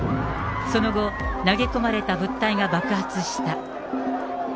その後、投げ込まれた物体が爆発した。